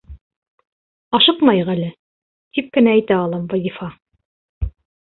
Ашыҡмайыҡ әле, тип кенә әйтә алам, Вазифа.